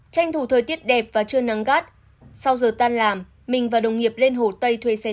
tranh thủ thời tiết đẹp và chưa nắng gắt sau giờ tan làm mình và đồng nghiệp lên hồ tây thuê xe